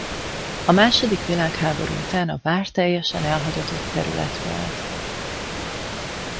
A második világháború után a vár teljesen elhagyatott terület volt.